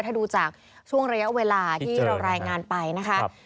ถ้าดูจากช่วงระยะเวลาที่เรารายงานไปนะคะ